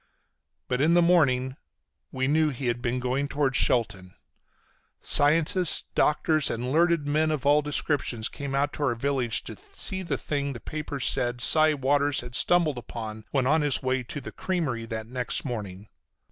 But in the morning we knew he had been going toward Shelton. Scientists, doctors, and learned men of all descriptions came out to our village to see the thing the papers said Si Waters had stumbled upon when on his way to the creamery that next morning.